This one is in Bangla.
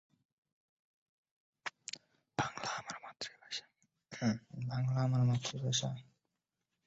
অনেকসময় প্রবল তুষারপাত বা তীব্র বায়ুপ্রবাহের কারণে তাবু ভেঙ্গে যেতে পারে।